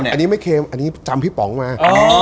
อันนี้ไม่เค็มอันนี้จำพี่ป๋องมา